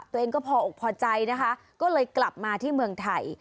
ตัวเองก็พออกพอใจนะคะก็เลยกลับมาที่เมืองไทย